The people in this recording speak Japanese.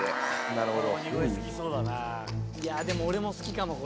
なるほど。